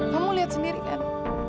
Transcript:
kamu lihat sendiri lian